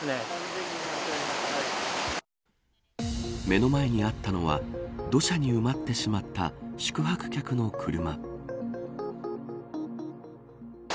目の前にあったのは土砂に埋まってしまった宿泊客の車。